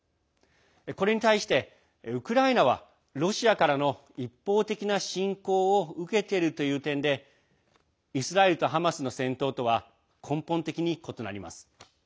これに対して、ウクライナはロシアからの一方的な侵攻を受けているという点でイスラエルとハマスの戦闘とは根本的に異なります。